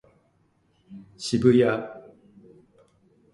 渋谷